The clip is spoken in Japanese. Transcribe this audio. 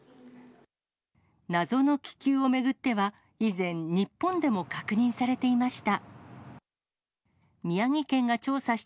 謎の気球を巡っては、以前、日本でも確認されていました。